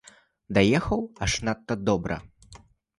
Даехаў аж надта добра.